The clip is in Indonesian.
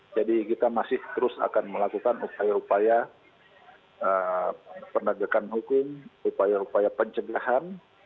jadi kita masih terus akan melakukan upaya upaya penegakan hukum upaya upaya pencegahan